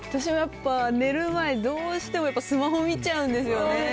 私もやっぱ寝る前どうしてもスマホを見ちゃうんですよね。